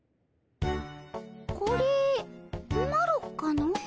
これマロかの？